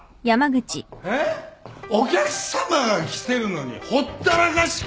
えっ！？お客さまが来てるのにほったらかしか？